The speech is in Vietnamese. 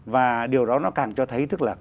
và điều đó nó càng cho thấy